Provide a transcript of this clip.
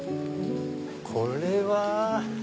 これは。